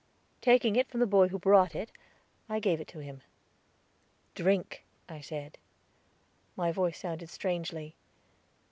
Taking it from the boy who brought it, I gave it to him. "Drink," I said. My voice sounded strangely.